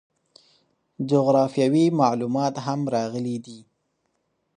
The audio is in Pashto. جغرافیوي معلومات هم راغلي دي.